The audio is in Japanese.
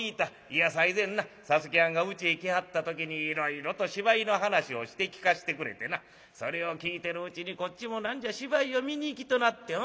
いや最前な佐助はんがうちへ来はった時にいろいろと芝居の話をして聞かせてくれてなそれを聞いてるうちにこっちも何じゃ芝居を見に行きとなって。